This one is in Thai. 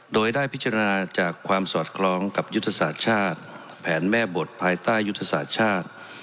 โดยได้พิจารณาจากความสอดคล้องกับยุทธศาสตร์ชาติแผนแม่บทภายใต้ยุทธศาสตร์ชาติ